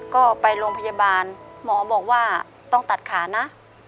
ก็ไปโรงพยาบาลหมอบอกว่าต้องตัดขานะ